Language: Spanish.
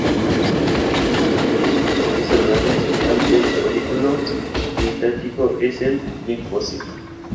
El componente celular principal del folículo linfático es el linfocito.